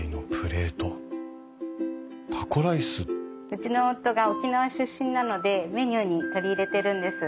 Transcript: うちの夫が沖縄出身なのでメニューに取り入れてるんです。